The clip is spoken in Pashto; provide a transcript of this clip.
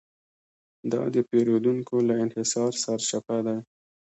دا د پېریدونکو له انحصار سرچپه دی.